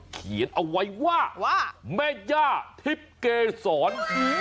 เขียนเอาไว้ว่าแม่ย่าทิพย์เกษร